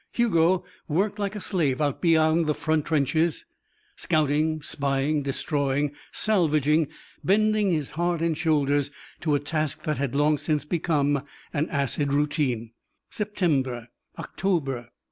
Hugo worked like a slave out beyond the front trenches, scouting, spying, destroying, salvaging, bending his heart and shoulders to a task that had long since become an acid routine. September. October.